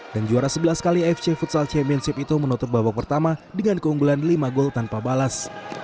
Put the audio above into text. dan juara sebelas kali afc futsal championship itu menutup babak pertama dengan keunggulan lima gol tanpa balas